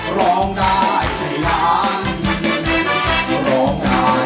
ก็ร้องได้ให้ร้าง